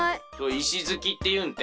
いしづきっていうんて。